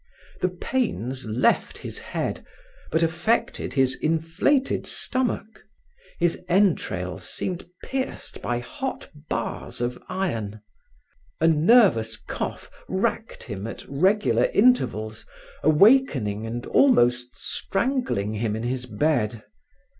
The pains left his head, but affected his inflated stomach. His entrails seemed pierced by hot bars of iron. A nervous cough racked him at regular intervals, awakening and almost strangling him in his bed.